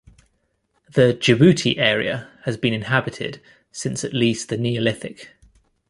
The Djibouti area has been inhabited since at least the Neolithic.